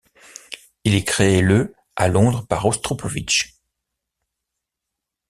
Il est créé le à Londres par Rostropovitch.